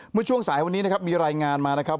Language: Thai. เมื่อช่วงสายวันนี้นะครับมีรายงานมานะครับ